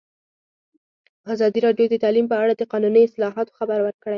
ازادي راډیو د تعلیم په اړه د قانوني اصلاحاتو خبر ورکړی.